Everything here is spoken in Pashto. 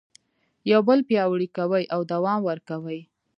یو بل پیاوړي کوي او دوام ورکوي.